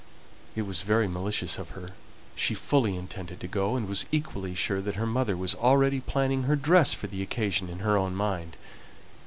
It was very malicious of her. She fully intended to go, and was equally sure that her mother was already planning her dress for the occasion in her own mind.